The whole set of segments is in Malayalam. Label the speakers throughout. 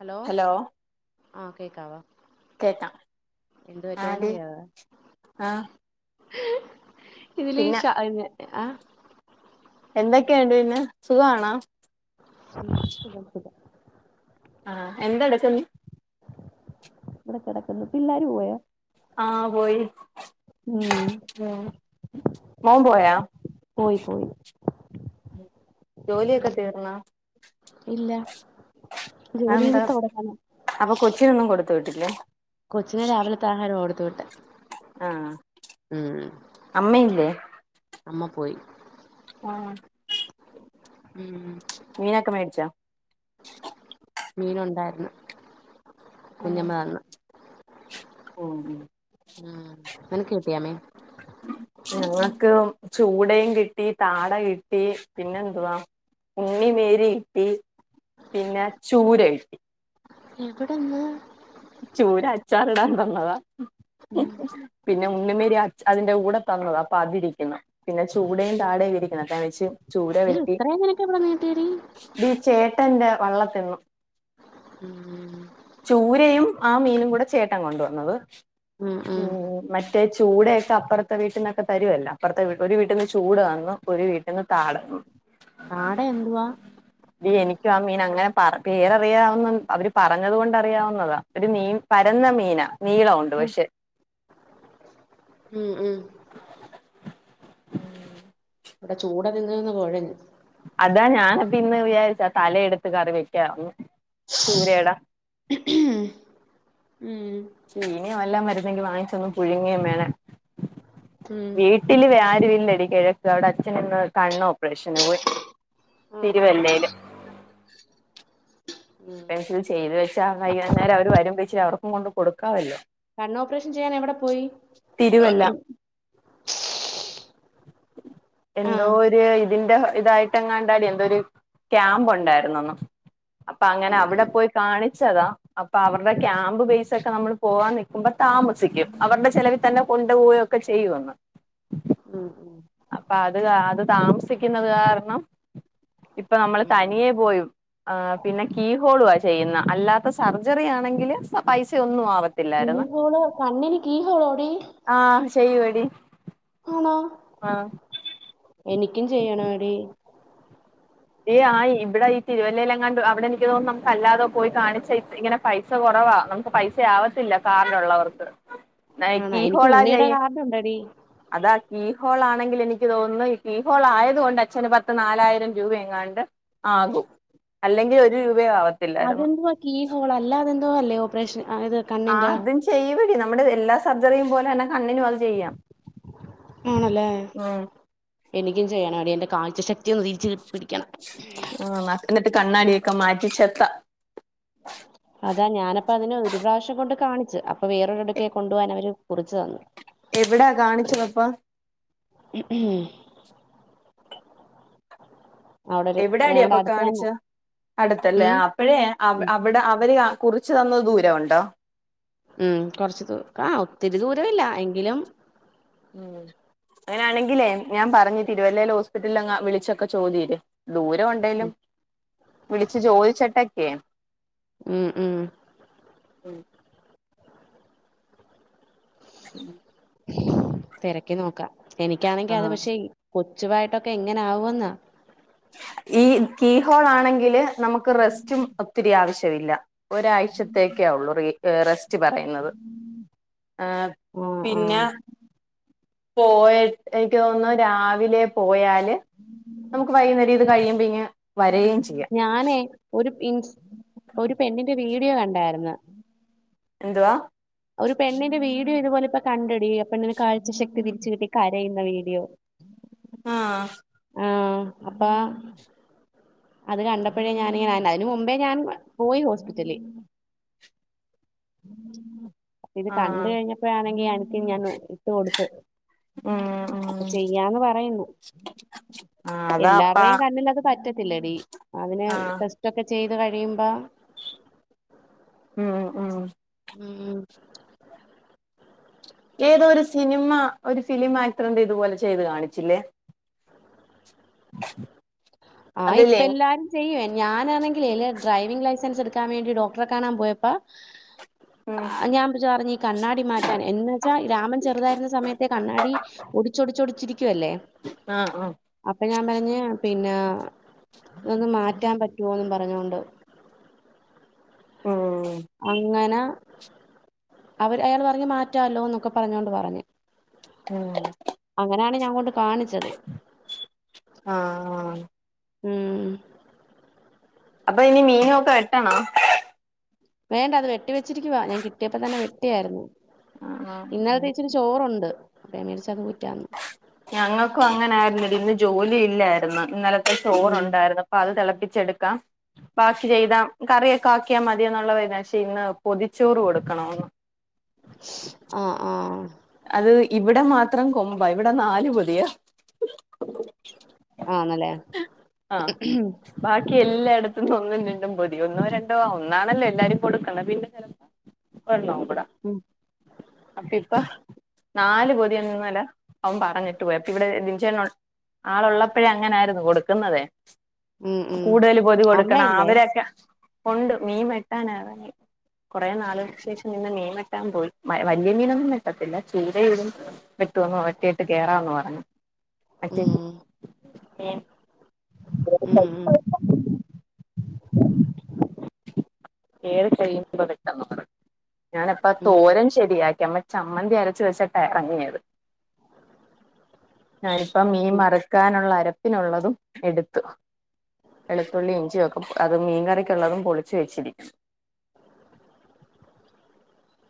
Speaker 1: ഹലോ ആഹ് കേക്കാവോ
Speaker 2: കേക്കാം
Speaker 1: എന്ത്
Speaker 2: ആടി
Speaker 1: പറ്റിയാന്നറിയാവ
Speaker 2: ആഹ്
Speaker 1: ഹ് ഇതിലീ
Speaker 2: പിന്നെ
Speaker 1: [unintelligible]
Speaker 2: എന്തൊക്കെയൊണ്ട് പിന്നെ സുഖവാണോ
Speaker 1: സുഗം സുഗം
Speaker 2: ആഹ് എന്തെടുക്കുന്നെ
Speaker 1: ഇവിടെ കെടക്കുന്നു പിള്ളാര് പോയൊ
Speaker 2: ആഹ് പോയി
Speaker 1: ഉം
Speaker 2: ഉം മോൻ പോയാ
Speaker 1: പോയി പോയി
Speaker 2: ജോലിയൊക്കെ തീർന്നാ
Speaker 1: ഇല്ല ജോലിയിനി
Speaker 2: അതെന്താ
Speaker 1: തൊടങ്ങണം
Speaker 2: അപ്പൊ കൊച്ചിനൊന്നും കൊടുത്ത് വിട്ടില്ലേ
Speaker 1: കൊച്ചിന് രാവിലത്താഹാരവ കൊടുത്ത് വിട്ടെ
Speaker 2: ആഹ്
Speaker 1: ഉം
Speaker 2: അമ്മയില്ലേ
Speaker 1: അമ്മ പോയി
Speaker 2: ആഹ്
Speaker 1: ഉം
Speaker 2: മീനക്കെ മേടിച്ചാ
Speaker 1: മീനൊണ്ടാര്ന്ന് കുഞ്ഞമ്മ തന്ന്
Speaker 2: ഓഹൊ
Speaker 1: ആഹ് നെനക്ക് കിട്ടിയാ മീൻ
Speaker 2: ഞങ്ങക്ക് ചൂടേം കിട്ടി താട കിട്ടി പിന്നെന്തുവാ ഉണ്ണിമേരി കിട്ടി പിന്നെ ചൂര കിട്ടി
Speaker 1: എവിട്ന്ന്
Speaker 2: ചൂര അച്ചാറിടാൻ തന്നതാഹ്ഹ്
Speaker 1: ഉം
Speaker 2: പിന്നെ ഉണ്ണുമേരി അച് അതിന്റെ കൂടെ തന്നത അപ്പ അതിരിക്ക്ന്ന് പിന്നെ ചൂടേം താടേം ഇരിക്കണ്‌ [unintelligible]
Speaker 1: ങ്കിലും ഇത്രേ നിനക്കെവിട്ന്ന് കിട്ടിയെടി
Speaker 2: ടീ ചേട്ടന്റെ വള്ളത്തീന്ന്
Speaker 1: ഉം
Speaker 2: ചൂരയും ആ മീനുംകുടെ ചേട്ടൻ കൊണ്ടുവന്നത് ഉം മ മറ്റേ ചൂടയെക്കെ അപ്പറത്തെ വീട്ടിന്നക്കെ തരുവല്ല അപ്പറത്തെ വി ഒരു വീട്ടിന്ന് ചൂട തന്നു ഒരു വീട്ടിന്ന് താട തന്നു
Speaker 1: കാട എന്തുവാ?
Speaker 2: ഇ എനിക്കും, ആ, മീൻ അങ്ങനെ പറ പേരറിയാവുന്ന അവര് പറഞ്ഞത് കൊണ്ട് അറിയാവുന്നതാ. ഒരു, മീൻ, പരന്ന മീനാ, നീളം ഉണ്ട്
Speaker 1: ഉം
Speaker 2: പക്ഷെ.
Speaker 1: ഉം, ഉം
Speaker 2: ഉം
Speaker 1: ഇവിടെ ചൂട തിന്ന്, തിന്ന് കൊഴഞ്ഞു.
Speaker 2: അതാ, ഞാന് പ്പന്ന് വിചാരിച്ച. തല എടുത്ത് കറി വെക്കന്ന്, ചൂരയുടെ.
Speaker 1: [unintelligible] ഉം
Speaker 2: ചീനി വല്ല മരുന്നെങ്കി വാങ്ങിച്ചൊന്നും പുഴുങ വേണം.
Speaker 1: ഉം
Speaker 2: വീട്ടില് വേ ആരു വില്ലടി. കിഴക് അവിടെ അച്ഛന് കണ്ണ് ഓപ്പറേഷന് പോയി.
Speaker 1: ആഹ് ആഹ്
Speaker 2: തിരുവല്ലയില്.
Speaker 1: ഉം
Speaker 2: പെൻസിൽ ചെയ്ത് വെച്ചാ, കയ്യന്ന അവര് വരുമ്പോഴിച്ചിരി, അവർക്കും കൊണ്ട് കൊടുക്കാവല്ലോ?
Speaker 1: കണ്ണ ഓപ്പറേഷൻ ചെയ്യാൻ എവിടെ പോയി.
Speaker 2: തിരുവല്ല [unintelligible] എന്തോ,
Speaker 1: ആഹ്
Speaker 2: ഒരു ഇതിന്റെ ഇതായിട്ടെങ്ങാണ്ടാടി, എന്തോ ഒരു. ക്യാമ്പ് ഉണ്ടായിരുന്നന് പ്പ, അങ്ങനെ
Speaker 1: ഉം
Speaker 2: അവിടെ
Speaker 1: ഉം
Speaker 2: പോയി കാണിച്ചതാ. അപ്പ, അവരുടെ ക്യാമ്പ് ബേസ് ഒക്കെ നമ്മൾ പോവാൻ നിൽക്കുമ്പോ താമസിക്കും. അവരുടെ ചെലവി തന്നെ കൊണ്ടുപോയ ഒക്കെ ചെയ്യുന്ന്.
Speaker 1: ഉം, ഉം.
Speaker 2: അപ്പ, അത്, അത്, താമസിക്കുന്നത് കാരണം. ഇപ്പൊ, നമ്മൾ
Speaker 1: ഉം ഉം
Speaker 2: തനിയെ പോയും. ആഹ് പിന്നെ, കീ ഹോളു ആ, ചെയ്യുന്ന. അല്ലാത്ത സർജറി ആണെങ്കില്. പൈസ ഒന്നും ആവത്തി...
Speaker 1: കീ, ഹോൾ കണ്ണിന് കീ ഹോളോ ടി.
Speaker 2: ആഹ്, ചെയ്യവടി.
Speaker 1: ആണോ, എനിക്കും ചെയ്യണ. എടീ
Speaker 2: യ് ആഹ്, ഇവിടെ ഈ, തിരുവല്ലയില ല്ലാം ങ്ങാണ്ട് അവിടെ എനിക്ക് തോന്നും. നമുക്ക് അല്ലാതെ പോയി കാണിച്ച ഇങ്ങനെ. പൈസ കുറവാ, നമുക്ക് പൈസ ആവത്തില്ല. കാർട്ലൊള്ളവർക്ക്.
Speaker 1: ആണോ
Speaker 2: നൈറ്റി
Speaker 1: എനിക്ക്
Speaker 2: ഹോളാ
Speaker 1: ഉണ്ണിയുടെ
Speaker 2: ചയ്യ്.
Speaker 1: കാർഡ് ഉണ്ടെടി
Speaker 2: അതാ കീ ഹോൾ ആണെങ്കിൽ എനിക്ക് തോന്നുന്നു. ഈ കീ ഹോൾ ആയത് കൊണ്ട് അച്ഛന് പത്ത് നാലായിരം. രൂപ എങ്ങാണ്ട് ആകും. അല്ലെങ്കി. ഒരു രൂപ ആവ
Speaker 1: അതെതുവാ കീ ഹോള. അല്ല അതെന്തോ അല്ലേ, ഓപ്പറേഷൻ അത്
Speaker 2: ആഹ്, അതും ചെയ്യടി. നമ്മുടെ എല്ലാ സർജറിയും പോലെ തന്നെ കണ്ണിനും അത് ചെയ്യാം.
Speaker 1: ആണല്ലേ?
Speaker 2: ഉം
Speaker 1: എനിക്കും ചെയ്യണ എടീ. എന്റെ, കാഴ്ച ശക്തി ഒന്ന് തി ച് പിടിക്കണം.
Speaker 2: ആഹ്, എന്നിട്ട് കണ്ണാടീക്കെ മാറ്റി ചെത്ത.
Speaker 1: അതാ, ഞാനപ്പ അതിന് ഒരു പ്രാവശം കൊണ്ട് കാണിച്ചു. അപ്പൊ, വേറൊരിടുക്കെ കൊണ്ടു പോവാൻ അവര് കുറിച് തന്നു.
Speaker 2: എവിടാ കാണിച്ചത്പ്പാ.
Speaker 1: ഉം ഉം അവിടെ ഒരു
Speaker 2: എവിട ടീ
Speaker 1: ഞങ്ങളുടെ
Speaker 2: അപ്പൊ
Speaker 1: അടുത്ത്
Speaker 2: കാണിച്ച.
Speaker 1: തന്നെ
Speaker 2: അടുത്തല്ലേ?
Speaker 1: ഉം
Speaker 2: ആഹ്, അപ്പഴേ
Speaker 1: ഉം
Speaker 2: അവിടെ അവര്. കുറിച്ച് തന്നത് ദൂരം ഒണ്ടോ?
Speaker 1: ഉം, കൊറച് ദൂ ആഹ്, ഒത്തിരി ദൂര ഇല്ല. എങ്കിലും.
Speaker 2: ഉം അങ്ങനെയാണെങ്കിലേ, ഞാൻ പറഞ്ഞു തിരുവല്ലയിൽ ഹോസ്പിറ്റലിൽ വിളിച്ചൊക്കെ ചോദി്ര് ദൂരം ഉണ്ടെലും. വിളിച്ച് ചോദിച്ചിട്ടക്കെ.
Speaker 1: ഉം, ഉം
Speaker 2: [unintelligible]
Speaker 1: തെരക്കി നോക്കാം.
Speaker 2: ആ
Speaker 1: എനിക്കാണെങ്കി അത് പക്ഷെ, കൊച്ചുവായിട്ടൊക്കെ എങ്ങനെ ആവൊന്നാ.
Speaker 2: ഈ, കീ, ഹോള്, ആണെങ്കില് നമുക്ക് റെസ്റ്റും ഒത്തിരി ആവശ്യവില്ല. ഒരാഴ്ചത്തേക്കേ ഉള്ളൂ. റീ. ഏഹ് റെസ്റ്റ് പറയ്ന്നത് ആഹ്
Speaker 1: ആ ആ
Speaker 2: പിന്നെ പോയ്ട്ട് എനിക്ക് തോന്നുന്ന് രാവിലെ പോയാല്
Speaker 1: ഉം
Speaker 2: നമുക്ക് വൈന്നേരം ഇത് കഴിയുമ്പ്ങ്ങ്
Speaker 1: ഞാനേ ഒരു ഇൻസ് ഒര് പെണ്ണിന്റെ വീഡിയോ കണ്ടാര്ന്ന്
Speaker 2: എന്തുവാ
Speaker 1: ഒര് പെണ്ണിന്റെ വീഡിയോ ഇതുപോലിപ്പൊകണ്ടെടീ ആപെണ്ണിന് കാഴ്ചശക്തിരിച്ച് കിട്ടി കരയ്ന്ന വീഡിയോ
Speaker 2: ആഹ്
Speaker 1: ആഹ് അപ്പാ അത് കണ്ടപ്പഴേ ഞാനിങ്ങനെ അതിന് മുമ്പേ ഞാൻ പോയി ഹോസ്പിറ്റലി ഇത് കണ്ട് കഴിഞ്ഞപ്പോഴാണെങ്കി അൻക്ക്ങ്ങനെ ട്ട്കൊടുത്ത്
Speaker 2: ഉം ഉം
Speaker 1: അപ്പൊ ചെയ്യാന്ന് പറയുന്നു
Speaker 2: ആഹ് അതാ അപ്പ
Speaker 1: എല്ലാര്ടേം കണ്ണിലത് പറ്റ ത്തില്ലടി അതിന്
Speaker 2: ആഹ്
Speaker 1: ടെസ്റ്റൊക്കെ ചെയ്ത് കഴിയുമ്പം
Speaker 2: ഉം ഉം
Speaker 1: ഉം ഉം
Speaker 2: ഏതോ ഒരു സിനിമ ഒരു ഫിലിം ആക്ടറിന്റെതുപോലെ ചെയ്ത് കാണിച്ചില്ലേ
Speaker 1: [inaudible]
Speaker 2: [inaudible]
Speaker 1: ആഹ് ഇപ്പ എല്ലാരും ചെയ്യുവേ ഞാനാണെങ്കിൽ ഇലെ ഡ്രൈവിംഗ് ലൈസൻസ് എടുക്കാൻ വേണ്ടി ഡോക്ടറെ കാണാൻ പോയപ്പ
Speaker 2: ഉം
Speaker 1: ആഹ് ഞാൻ പിഷെപറഞ്ഞു ഈ കണ്ണാടി മാറ്റാൻ എന്ന് വെച്ചാ രാമൻ ചെറുതായിരുന്ന സമയത്തെ കണ്ണാടി ഒടിച്ചൊടിച്ചൊടിച്ചിരിക്കുവല്ലേ.
Speaker 2: ആഹ് ആഹ്
Speaker 1: അപ്പൊ ഞാൻ പർഞ്ഞ് പിന്നെ ഇതൊന്ന് മാറ്റാൻ പറ്റുവോന്ന് പറഞ്ഞൊണ്ട്
Speaker 2: ഉം
Speaker 1: അങ്ങന അവര് അയാള് പറഞ്ഞ് മാറ്റാല്ലോന്നൊക്കെ പറഞ്ഞോണ്ട് പറഞ്ഞ്
Speaker 2: ഉം
Speaker 1: അങ്ങനാണ് ഞാൻ കൊണ്ട് കാണിച്ചത്
Speaker 2: ആഹ് ആഹ്
Speaker 1: ഉം
Speaker 2: അപ്പൊ ഇനി മീനുവൊക്കെ വെട്ടണോ
Speaker 1: വേണ്ട അത് വെട്ടി വെച്ചിരിക്കുവാ ഞാൻ കിട്ടിയപ്പോ തന്നെ വെട്ടിയാരുന്നു
Speaker 2: ആഹ് ആഹ്
Speaker 1: ഇന്നലത്തെ ഇച്ചിരിച് ചോറൊണ്ട് അപ്പ ഞാൻ വിചാരിച്ചത് ഊറ്റാന്ന്
Speaker 2: ഞങ്ങക്കും അങ്ങനായിരുന്നെടി ഇന്ന് ജോലി ഇല്ലാരുന്ന് ഇന്നലത്തെ
Speaker 1: ഉം
Speaker 2: ചോറൊണ്ടാരുന്ന് അപ്പത് തെളപ്പിച്ചെടുക്കാം ബാക്കി ചെയ്താം കറിയക്കെ ആക്കിയാമതിയെന്നുള്ളതാര്ന്ന് ഇന്ന് പൊതിച്ചോറ് കൊടുക്കണംന്ന്
Speaker 1: ആഹ് ആഹ്
Speaker 2: അത് ഇവിടെ മാത്രം കൊമ്പാ ഇവിടെ നാല് പൊതിയാ
Speaker 1: ആന്നല്ലേ
Speaker 2: ആ ബാക്കി എല്ലാടെത്തും ഒന്നും രണ്ടും പൊതി ഒന്നോ രണ്ടോ ആഹ് ഒന്നാണല്ലോ എല്ലാരും കൊടുക്ക്ണെ പിന്നെ ഒരെണ്ണോംകൂടെ
Speaker 1: ഉം
Speaker 2: അപ്പഇപ്പ നാല് പൊതി എന്ന്ന്നെലെ അവൻ പറഞ്ഞിട്ട് പോയ് അപ്പ ഇവിടെ ബിൻചേട്ടൻ ഒള്ള് ആളൊള്ളപ്പഴേ അങ്ങനാര്ന്ന് കൊടുക്കുന്നതേ
Speaker 1: ഉം ഉം
Speaker 2: കൂടുതല് പൊതി
Speaker 1: അമ്മയില്ലേ
Speaker 2: കൊടുക്കണാവരക്കെ ഒണ്ട് മീൻ വെട്ടാനെറങ്ങി കൊറേ നാള്കൾക്ക് ശേഷം ഇന്ന് മീൻ വെട്ടാൻ പോയി വ വല്യ മീനൊന്നും വെട്ടത്തില്ല ചൂരേം ഇതും വെട്ട്വാന്ന് വെട്ടിയിട്ട് കേറാന്ന് പറഞ്ഞ്
Speaker 1: ഉം
Speaker 2: [inaudible] ഏഹ്
Speaker 1: ഉം ഉം
Speaker 2: [inaudible] ഏത് [inaudible] ഞാനപ്പൊ തോരൻ [inaudible] യാക്കിമ്മ ചമ്മന്തി അരച്ച് വെച്ചിട്ടാ എറങ്ങിയത് ഞാനിപ്പം മീൻ
Speaker 1: ഉം
Speaker 2: വറുക്കാനുള്ള അരപ്പിനുള്ളതും എടുത്തു വെളുത്തുള്ളി ഇഞ്ചിയൊക്കെ അത് മീൻ കറിക്കുള്ളതും പൊളിച്ച് വെച്ചിരിക്ക്ണ്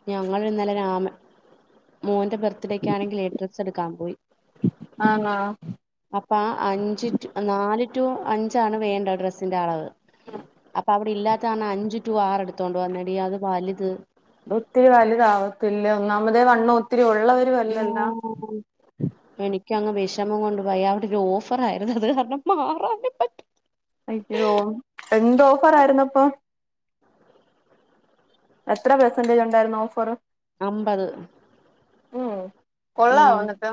Speaker 1: ഞങ്ങളിന്നലെ രാമ മോന്റെ ബർത്ത്ഡേക്കാണെങ്കിലേ ഡ്രസ്സ് എട്ക്കാൻ പോയി
Speaker 2: ആന്നോ
Speaker 1: അപ്പ അഞ്ച് ടു നാല് ടു അഞ്ചാണ് വേണ്ടത് ഡ്രസ്സിന്റെ അളവ് അപ്പൊ അവിടെ ഇല്ലാത്ത കാരണം അഞ്ച് ടു ആറ് എടുത്തോണ്ട് വന്നെടീ അത് വല്ത്
Speaker 2: ഒത്തിരി വല്താവത്തില്ല ഒന്നാമതെ വണ്ണൊ ഒത്തിരി ഉള്ളവര്
Speaker 1: [inaudible] എനിക്കങ്ങ് വെഷമം കൊണ്ട് വയ്യ അവിടൊരു ഓഫർ ആയിരുന്നു അത് കാരണം മാറാനും പറ്റ
Speaker 2: അയ്യോ എന്ത് ഓഫറായിരുന്ന് അപ്പൊ എത്ര പെർസെന്റേജ് ഉണ്ടായിരുന്നു ഓഫറ്
Speaker 1: അമ്പത്
Speaker 2: ഓഹ്
Speaker 1: ഉം
Speaker 2: കൊള്ളാവോ എന്നിട്ട്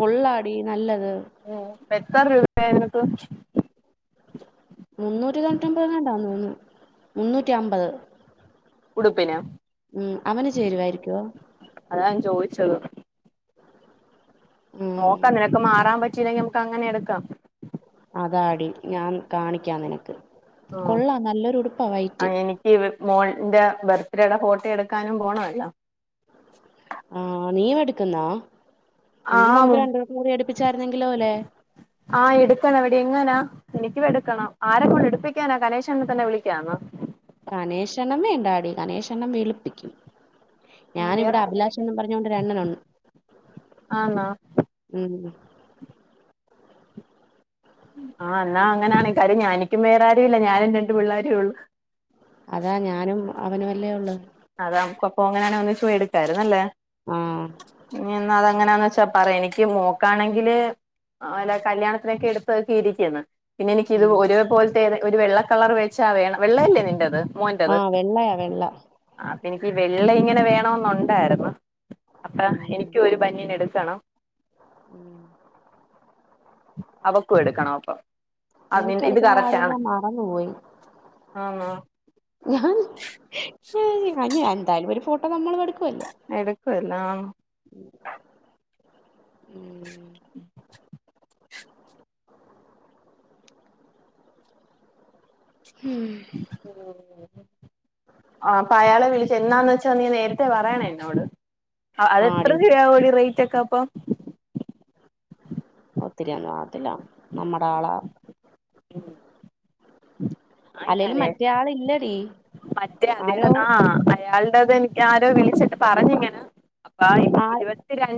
Speaker 1: കൊള്ളാടി നല്ലത്
Speaker 2: ഉം എത്ര രൂപായി നിനക്ക്
Speaker 1: മുന്നൂറ്റി തൊൺറ്റൊമ്പങ്ങാണ്ട തോന്നുന്നു മുന്നൂറ്റി അമ്പത്
Speaker 2: ഉടുപ്പിന്
Speaker 1: ഉം അവന് ചേരുവായിര്ക്കോ
Speaker 2: അതാൻ ചോയിച്ചത്
Speaker 1: ഉം
Speaker 2: നോക്കം നിനക്ക് മാറാൻ പറ്റില്ലെങ്കി നമ്മക്ക് അങ്ങനെ എടുക്കാം
Speaker 1: അതാടി ഞാൻ കാണിക്കാം നിനക്ക്
Speaker 2: ആഹ്
Speaker 1: കൊള്ളാം നല്ലൊരു ഉടുപ്പാ വൈറ്റ്
Speaker 2: അ എനി ക്ക് മോന്റെ ബർത്ത്ഡേയ്ടെ ഫോട്ടോ എടുക്കാനും പോണവല്ലോ
Speaker 1: ആഹ് നീയ്യും എടുക്കുന്നാ എങ്കി നമുക്ക്
Speaker 2: ആഹ്
Speaker 1: രണ്ടു പേർക്കും കൂടി അടുപ്പിച്ചാര്ന്നെങ്കിലോ ലെ
Speaker 2: ആഹ് എടുക്കണവെടി എങ്ങനാ എനിക്കും എടുക്കണം ആരെക്കൊണ്ട് എടുപ്പിക്കാനാ കനേശനെ തന്നെ വിളിക്കാ എന്നാ
Speaker 1: കനേശണ്ണൻ വേണ്ടാടി കനേശണ്ണൻ വെളുപ്പിക്കും
Speaker 2: ആഹ് വേറെ
Speaker 1: ഞാനിവിടെ
Speaker 2: ആരെയും വിളിക്കാം
Speaker 1: അഭിലാഷെന്നും പറഞ്ഞൊണ്ട് ഒരണ്ണനുണ്ട്
Speaker 2: ആന്നോ
Speaker 1: ഉം
Speaker 2: ആഹ് എന്നാ അങ്ങനാണെ കാര്യം ഞാ എനിക്കും വേറാരും ഇല്ല ഞാനും രണ്ട് പിള്ളാരുള്ളു
Speaker 1: അതാ ഞാനും അവനുവല്ലേ ഒള്ളു
Speaker 2: അതാ നമ്മക്ക് അപ്പൊ അങ്ങനെയാണ ഒന്നിച്ച് പോയി എടുക്കാരുന്നു അല്ലേ
Speaker 1: ആഹ്
Speaker 2: ഇനി എന്നാ അത്‌ എങ്ങനാന്ന് വച്ചാ പറയ് എനിക്ക് മോക്കാണെങ്കില് അല്ല കല്യാണത്തിനൊക്കെ എടുത്ത് അത് കീരീക്ക്ന്ന് പിന്നെ എനിക്ക് ഇത്
Speaker 1: ഉം
Speaker 2: ഒരേപോൽതേത് ഒരു വെള്ള കളറ് വെച്ചാ വേണ വെള്ള അല്ലേ നിന്റത് മോന്റത്
Speaker 1: ആഹ് വെള്ളയാ വെള്ള
Speaker 2: അപ്പ എനിക്ക് ഈ വെള്ള ഇങ്ങനെ വേണോന്നുണ്ടായിര്ന്ന് അപ്പാ
Speaker 1: ഉം
Speaker 2: എനിക്കൊരു ബനിയനെടുക്കണം
Speaker 1: ഉം
Speaker 2: അവക്കും എടുക്കണം ഒപ്പം
Speaker 1: എനിക്ക് എട്ക്കുന്ന കാര്യം ഞാൻ മറന്നു പോയി
Speaker 2: ആന്നോ
Speaker 1: ഞാൻ [unintelligible] എന്തായലും ഒരു ഫോട്ടോ നമ്മളും എടുക്കുവല്ലോ
Speaker 2: എടുക്കുവല്ലോ ആഹ്
Speaker 1: ഉം ഉം
Speaker 2: [inaudible]
Speaker 1: ഉം
Speaker 2: [unintelligible] ആപ്പൊ അയാളെ വിളിച്ചു എന്നാന്ന് വെച്ചാ നീ നേരത്തെ പറയണ എന്നോട് അതെത്ര
Speaker 1: ആടി
Speaker 2: രൂപ ആമോസി റേറ്റ് ഒക്കെ അപ്പൊ
Speaker 1: ഒത്തിരിയന്ന പറത്തില്ല നമ്മുടെ ആളാ അല്ലെലും
Speaker 2: ആയിക്കാണേ
Speaker 1: മറ്റേയാള് ഇല്ലടി
Speaker 2: മറ്റേ അദ്ദേഹ ആഹ് അയാളടത് എനിക്ക് ആരോ വിളിച്ചിട്ട് പറഞ്ഞിങ്ങനെ ബായി
Speaker 1: ആ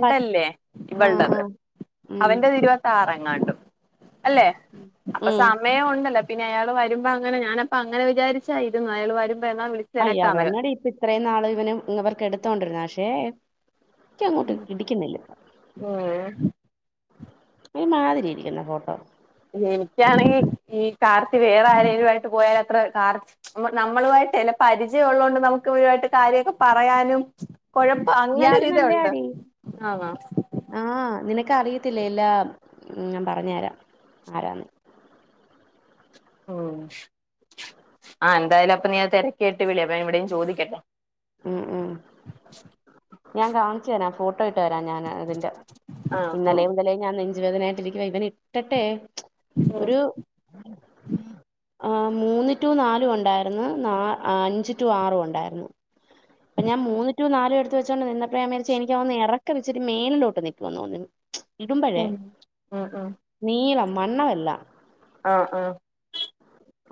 Speaker 1: പ ആ ആ
Speaker 2: ഇവളണ്ടത്
Speaker 1: ഉം
Speaker 2: അവൻന്റെത് ഇരുപത്തി താറങ്ങാണ്ടും അല്ലെ
Speaker 1: ഉം
Speaker 2: അപ്പൊ സമയം ഉണ്ടല്ലോ പിന്നെ അയാൾ വരുമ്പോ അങ്ങനെ ഞാന അപ്പ അങ്ങനെ വിചാരിച്ചായിരുന്നു അയാൾ വരുമ്പോ എന്നാ വിളി
Speaker 1: അയാള് തന്നടി ഇപ്പ ഇത്രയും നാള് ഇവനിവർക്ക് എടുത്തോണ്ടിരുന്ന പക്ഷെ ഇനിക്ക് അങ്ങോട്ട് ഇടിക്കുന്നില്ല
Speaker 2: [unintelligible]
Speaker 1: ഒരുമാതിരിയിരിക്കുന്നു ഫോട്ടോ
Speaker 2: എനിക്കാണെങ്കിൽ ഈ കാർത്തി വേറെ ആരേങ്കലും ആയിട്ട് പോയാല അത്ര കാർത്തി നമ്മളുമായിട്ടല്ല പരിചയം ഉള്ളതുകൊണ്ട് നമുക്ക് ഈയായിട്ട് കാര്യമൊക്കെ പറയാനും കൊഴ
Speaker 1: ഇയാള്
Speaker 2: അങ്ങനെരിതണ്ട് ആഹ്
Speaker 1: ആഹ് നിനക്ക് അറിയത്തില്ലേ എല്ലാം ഞാൻ പറഞ്ഞു തരാം ആരാന്ന്
Speaker 2: ഉം ആഹ് എന്തായാലും അപ്പൊ ഞാൻ തിരക്കേട്ട് വിളി അപ്പഞ ഇവിടെയും ചോദിക്കട്ടെ
Speaker 1: ഉം ഉം ഞാൻ കാണിച്ചു തരാ ഫോട്ടോ ഇട്ട് തരാ ഞാൻ അതിന്റെ
Speaker 2: ആ ആ
Speaker 1: ഇന്നലെ മുതലേ ഞാൻ നെഞ്ചവേദനായിട്ട് ഇരിക്കുവായിവൻ ഇട്ടട്ടെ ഒരു
Speaker 2: [inaudible]
Speaker 1: ആഹ് മൂന്ന് ടു നാലും ഉണ്ടായിരുന്നു നാ അഞ്ച് ടു ആറും ഉണ്ടായിരുന്നു അപ്പ ഞാൻ മൂന്ന് ടു നാലും എടുത്ത് വച്ചുകോണ്ട്ന്നപയചാരിച് എനിക്ക്ന്ന് ഇറക്ക വെച്ചി മേനിലോട്ട് നിക്കുമന്ന്ന്നു
Speaker 2: [unintelligible]
Speaker 1: ഇടുമ്പഴേ
Speaker 2: ഉം ഉം
Speaker 1: നീളം വണ്ണമല്ല
Speaker 2: ആഹ് ആഹ്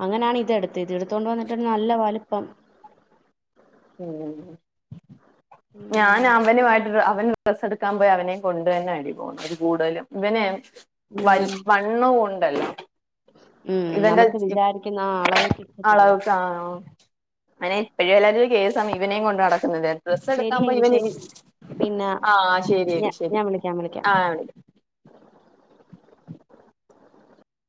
Speaker 1: അങ്ങനെയാണ് ഇതടുത്തത് എടുത്തോണ്ട് വന്നിട്ട് നല്ല വലിപ്പം
Speaker 2: ഉം
Speaker 1: ഉം
Speaker 2: ഞാൻ അവനുമായിട്ട് അവൻ ഡ്രസ് എടുക്കാൻമ്പോ അവനെയും കൊണ്ട് തന്നെ പോകുന്ന കൂടുതലും ഇവനെ
Speaker 1: ഉം
Speaker 2: വലി വ ണ്ണവും ഉണ്ടല്ലോ [unintelligible]
Speaker 1: ഉം നമുക്ക് വിചാരിക്കുന്ന ആ അളവേ കിട്ടത്തില്ല
Speaker 2: അങ്ങനെ ഇപ്പോഴുതൊരു കേസാണ് ഇവനേ കൊണ്ട് നടക്കുന്നത് ഡ്രസ്സാടുക്കാൻ പോയ
Speaker 1: ശരിയെങ്കി
Speaker 2: ഇവൻ
Speaker 1: ശരി പിന്നെ
Speaker 2: ആഹ്
Speaker 1: ഞ
Speaker 2: ശരിയടി ശരി
Speaker 1: ഞാൻ വിളിക്കാം വിളിക്കാം
Speaker 2: ആഹ്